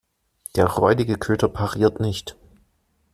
Der räudige Köter pariert nicht.